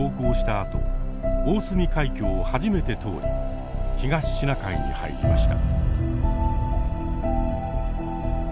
あと大隅海峡を初めて通り東シナ海に入りました。